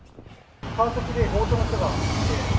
川崎で強盗の人がいて。